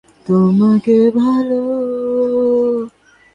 সে কি ভিখারী অতিথি, যে যথন খুসী রাখিবে, যখন খুসী তাড়াইবে?